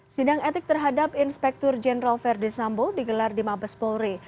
sidang etik terhadap inspektur jenderal verdi sambo digelar di mabes polri